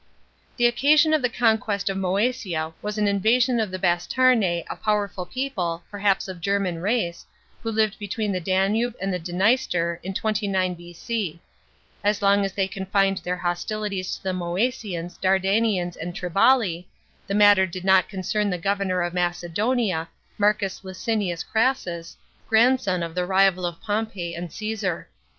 The occasion of the conquest of Moesia was an invasion of the Bastarnse, a powerful people, perhaps of German race, who lived 27 B.C.— H AOX, MCESIA. 99 between the Danube and the Dniester, in 29 B.O. As long as they confined their hostilities to the Moesians, Dardanians, and Triballi, the matter did not concern the governor of Macedonia, Marcus Licinius Crassus, grandson of the rival of Pompey and Caesar.